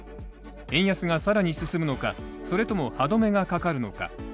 円安が更に進むのか、それとも歯止めがかかるのか。